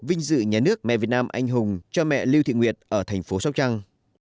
vinh dự nhà nước mẹ việt nam anh hùng cho mẹ lưu thị nguyệt ở thành phố sóc trăng